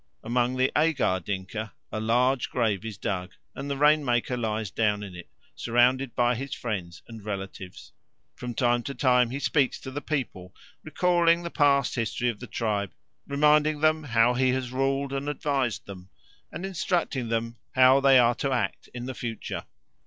Among the Agar Dinka a large grave is dug and the rain maker lies down in it, surrounded by his friends and relatives. From time to time he speaks to the people, recalling the past history of the tribe, reminding them how he has ruled and advised them, and instructing them how they are to act in the future.